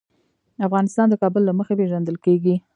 افغانستان د کابل له مخې پېژندل کېږي.